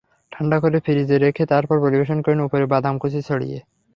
ঠান্ডা করে ফ্রিজে রেখে তারপর পরিবেশন করুন উপরে বাদাম কুচি ছড়িয়ে।